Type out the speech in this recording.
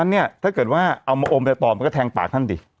เนี่ยถ้าเกิดว่าเอามาอมไปต่อมันก็แทงปากท่านดิ